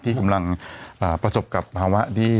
ที่กำลังประสบกับภาวะที่